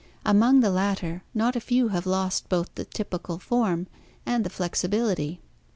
Among the latter not a few have lost both the typical form and the flexi bility.